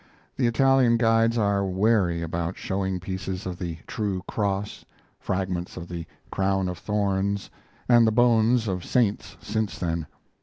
The Italian guides are wary about showing pieces of the True Cross, fragments of the Crown of Thorns, and the bones of saints since then.